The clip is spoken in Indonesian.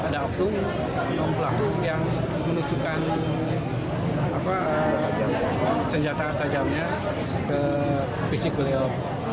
ada pelaku yang menusukan senjata tajamnya ke fisik beliau